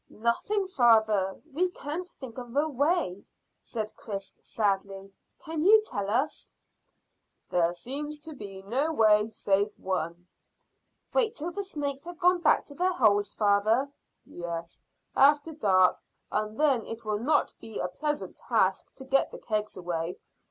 "Nothing, father. We can't think of a way," said Chris sadly. "Can you tell us?" "There seems to be no way save one." "Wait till the snakes have gone back to their holes, father?" "Yes, after dark; and then it will not be a pleasant task to get the kegs away.